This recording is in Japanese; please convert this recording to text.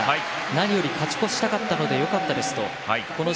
何より勝ち越したかったのでよかったですと言ってました。